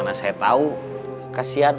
ini sarapan kalian